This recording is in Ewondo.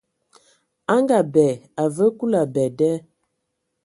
A ngaabɛ, a vǝǝ Kulu abɛ da.